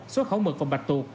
xuất khẩu mực và bạch tuột